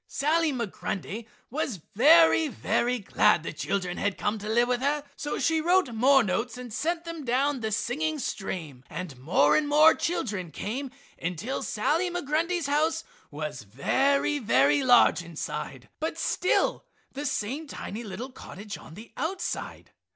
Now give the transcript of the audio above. Sally Migrundy was very, very glad the children had come to live with her, so she wrote more notes and sent them down the singing stream, and more and more children came until Sally Migrundy's house was very, very large inside, but still the same tiny little cottage on the outside.